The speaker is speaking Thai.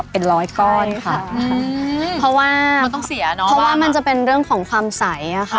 เพราะว่ามันจะเป็นเรื่องของความใส